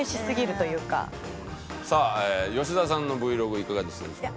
さあ吉田さんのＶｌｏｇいかがでしたでしょうか？